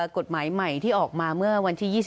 กฎหมายใหม่ที่ออกมาเมื่อวันที่๒๒